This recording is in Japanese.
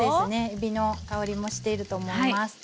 えびの香りもしていると思います。